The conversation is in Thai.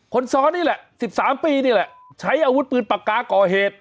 คนซ้อนนี่แหละ๑๓ปีนี่แหละใช้อาวุธปืนปากกาก่อเหตุ